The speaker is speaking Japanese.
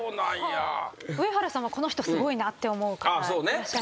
上原さんはこの人すごいなって思う方いらっしゃいますか？